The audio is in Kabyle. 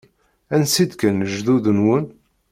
Ansi d-kkan lejdud-nwen?